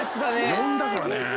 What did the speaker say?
呼んだからね。